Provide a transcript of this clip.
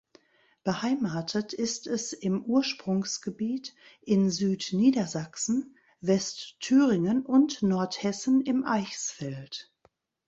Beheimatet ist es im Ursprungsgebiet in Südniedersachsen, Westthüringen und Nordhessen im Eichsfeld.